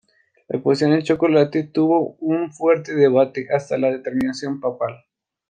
La cuestión del chocolate tuvo un fuerte debate hasta la determinación papal.